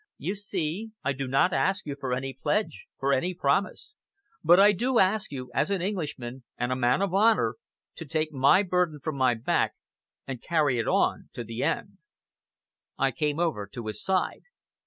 You see I do not ask you for any pledge for any promise. But I do ask you, as an Englishman and a man of honor to take my burden from my back, and carry it on to the end!" I came over to his side.